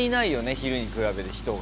昼に比べて人が。